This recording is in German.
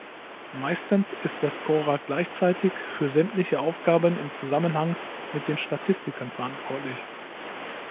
Meistens ist der Scorer gleichzeitig für sämtliche Aufgaben im Zusammenhang mit den Statistiken verantwortlich.